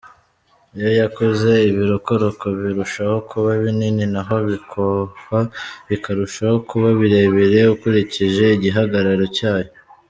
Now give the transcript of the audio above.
Iyo yakuze, ibirokoroko birushaho kuba binini naho ibikohwa bikarushaho kuba birebire ukurikije igihagararo cyayo.